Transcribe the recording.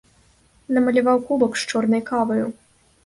Намаляваў кубак з чорнай каваю.